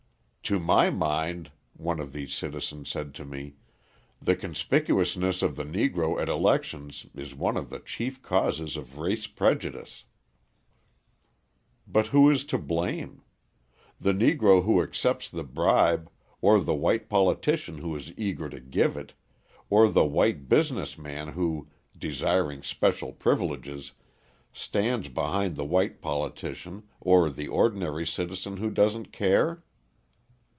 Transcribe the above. "To my mind," one of these citizens said to me, "the conspicuousness of the Negro at elections is one of the chief causes of race prejudice." But who is to blame? The Negro who accepts the bribe, or the white politician who is eager to give it, or the white business man who, desiring special privileges, stands behind the white politician, or the ordinary citizen who doesn't care?